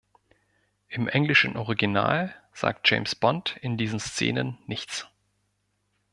Im englischen Original sagt James Bond in diesen Szenen nichts.